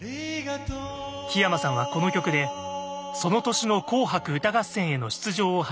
木山さんはこの曲でその年の「紅白歌合戦」への出場を果たしました。